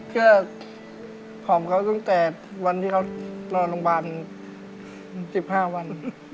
ก็หอมเขาตั้งแต่วันที่เขานอนโรงพยาบาล๑๕วัน